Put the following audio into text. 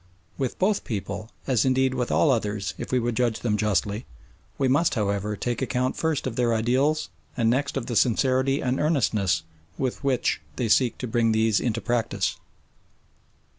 With both people, as indeed with all others if we would judge them justly, we must, however, take account first of their ideals and next of the sincerity and earnestness with which they seek to bring these into practice.